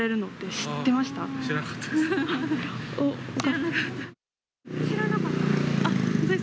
知らなかったです。